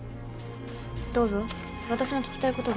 どうぞ私も聞きたいことが。